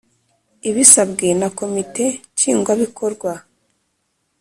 Ibisabwe na Komite Nshingwabikorwa